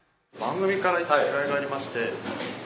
番組からお願いがありまして。